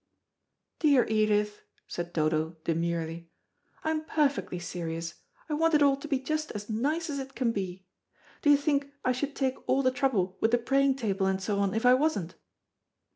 "Dear Edith," said Dodo demurely, "I'm perfectly serious. I want it all to be just as nice as it can be. Do you think I should take all the trouble with the praying table and so on, if I wasn't?"